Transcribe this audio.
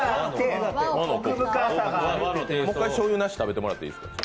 もう一回、しょうゆなし食べてもらっていいですか。